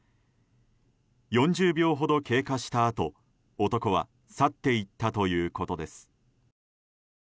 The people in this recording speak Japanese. ４０秒ほど経過したあと、男は去っていったということです。